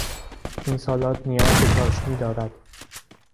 این سالاد نیاز به چاشنی دارد.